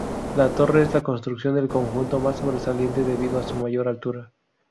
La torre es la construcción del conjunto más sobresaliente, debido a su mayor altura.